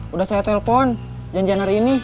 udah saya telpon janjian hari ini